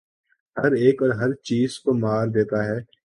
ہر ایک اور ہر چیز کو مار دیتا ہے